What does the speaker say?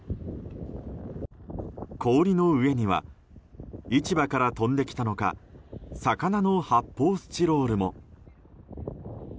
氷の上には市場から飛んできたのか魚の発泡スチロールも。